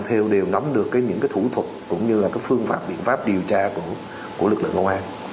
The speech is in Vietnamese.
theo đều nắm được những thủ thuật cũng như là phương pháp biện pháp điều tra của lực lượng công an